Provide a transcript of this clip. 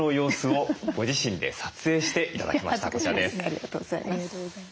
ありがとうございます。